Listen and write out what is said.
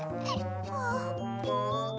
あーぷん？